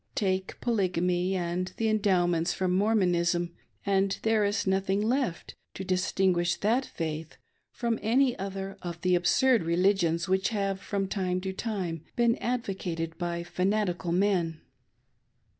Take Polygamy and the Endow ments from Mormon ism, and there is nothing left to distin guish that faith from any other of the absurd religions which have from time to time been advocated by fanatical men.